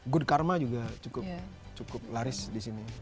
good karma juga cukup laris di sini